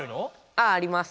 あああります。